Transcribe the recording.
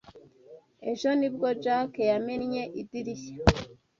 Ejo nibwo Jake yamennye idirishya.